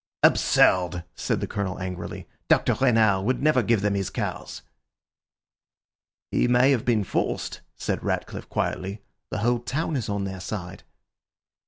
"Absurd!" said the Colonel angrily. "Dr. Renard would never give them his cars." "He may have been forced," said Ratcliffe quietly. "The whole town is on their side."